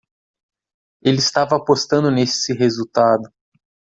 Ele estava apostando nesse resultado.